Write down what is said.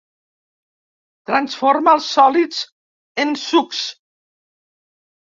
Transforma els sòlids en sucs.